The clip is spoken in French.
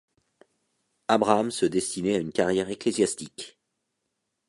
Abraham se destinait à une carrière ecclésiastique.